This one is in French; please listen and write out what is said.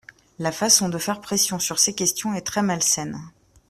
La façon de faire pression sur ces questions est très malsaine.